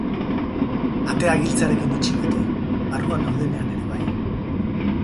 Atea giltzarekin itxi beti, barruan gaudenean ere bai.